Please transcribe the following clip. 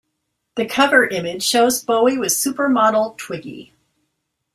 The cover image shows Bowie with supermodel Twiggy.